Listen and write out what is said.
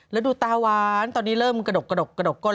แล้วดูตาหวานตอนนี้เริ่มกระดกกระดก้น